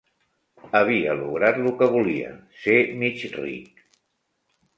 Havia lograt lo que volia: ser mig ric.